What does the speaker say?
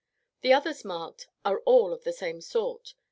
The others marked are all of the same sort.